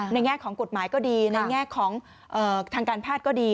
แง่ของกฎหมายก็ดีในแง่ของทางการแพทย์ก็ดี